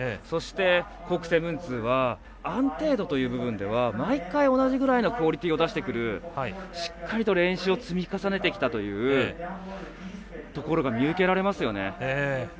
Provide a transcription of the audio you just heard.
そして、コーク７２０は安定度という部分では毎回同じぐらいのクオリティーを出してくるしっかりと練習を積み重ねてきたというところが見受けられますよね。